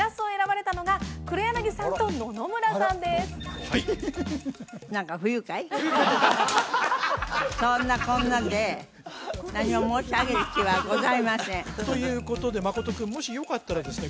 ヒヒヒ何かそんなこんなで何も申し上げる気はございませんということで真君もしよかったらですね